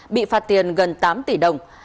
bị phạt tiền gần tám tỷ đồng